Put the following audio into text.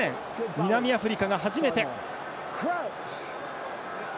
南アフリカが初めて。